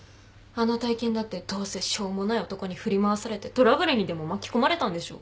あの大金だってどうせしょうもない男に振り回されてトラブルにでも巻き込まれたんでしょ？